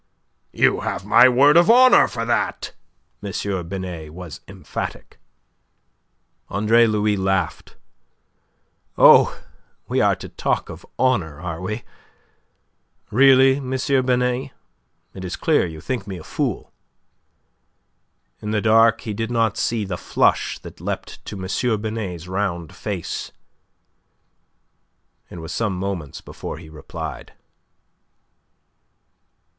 "You have my word of honour for that." M. Binet was emphatic. Andre Louis laughed. "Oh, we are to talk of honour, are we? Really, M. Binet? It is clear you think me a fool." In the dark he did not see the flush that leapt to M. Binet's round face. It was some moments before he replied.